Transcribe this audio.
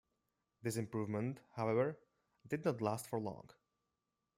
This improvement, however, did not last for long.